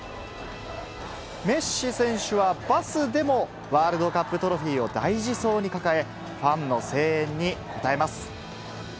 メッシ選手は、バスでもワールドカップトロフィーを大事そうに抱え、ファンの声援に応えます。